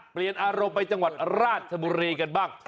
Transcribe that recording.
เปลี่ยนอารมณ์ไปจังหวัดราชบุรีกันบ้าง